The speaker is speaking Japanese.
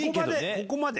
ここまで？